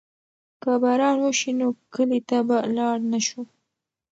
که باران وشي نو کلي ته به لاړ نه شو.